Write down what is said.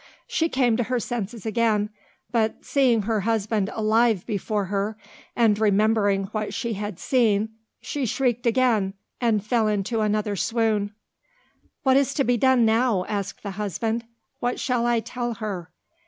She came to her senses again, but seeing her husband alive before her, and remembering what she had seen, she shrieked again, and fell into another swoon. "What is to be done now?" asked the husband. "What shall I tell her?